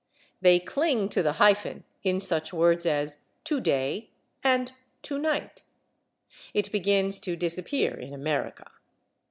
They cling to the hyphen in such words as /to day/ and /to night/; it begins to disappear in America.